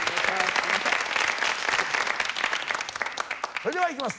それではいきます。